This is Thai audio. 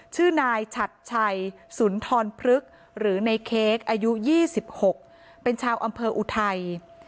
ชื่อนายฉัดชัยสุนทรพฤกษ์หรือในเค้กอายุ๒๖เป็นชาวอำเภออุทัย